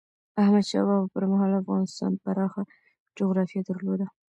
احمد شاه بابا پر مهال افغانستان پراخه جغرافیه درلوده.